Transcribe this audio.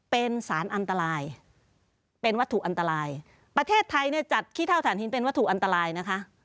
เป็นสารอันตรายเป็นวัตถุอันตรายประเทศไทยเนี่ยจัดขี้เท่าฐานหินเป็นวัตถุอันตรายนะคะ